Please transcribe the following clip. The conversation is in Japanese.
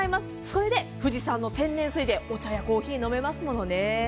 それで富士山の天然水でお茶やコーヒーが飲めますものね。